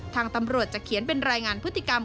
ทางตำรวจจะเขียนเป็นรายงานพฤติกรรม